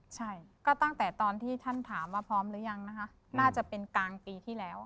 ใช่ก็ตั้งแต่ตอนที่ท่านถามว่าพร้อมหรือยังนะคะน่าจะเป็นกลางปีที่แล้ว